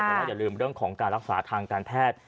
แต่ว่าอย่าลืมเรื่องของการรักษาทางการแพทย์